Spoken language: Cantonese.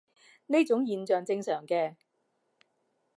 呢種現象正常嘅